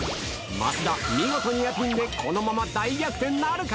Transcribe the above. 増田、見事ニアピンで、このまま大逆転なるか？